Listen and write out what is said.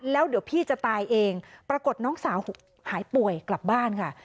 แล้วเดี๋ยวพี่จะตายเองปรากฏน้องสาวหายป่วยกลับบ้านค่ะ